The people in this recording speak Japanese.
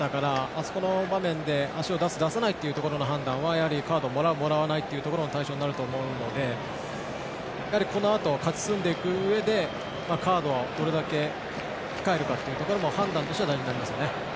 あそこの場面で足を出す、出さないという判断はカードをもらうもらわないという対象になると思うのでこのあと勝ち進んでいくうえでカードをどれだけ控えるかというところも判断としては大事になりますね。